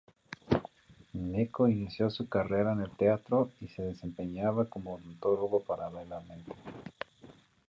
Gnecco inició su carrera en el teatro y se desempeñaba como odontólogo paralelamente.